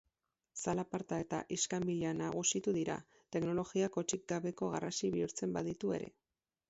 Zalaparta eta iskanbila nagusitu dira, teknologiak hotsik gabeko garrasi bihurtzen baditu ere.